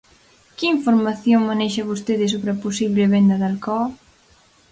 ¿Que información manexa vostede sobre a posible venda de Alcoa?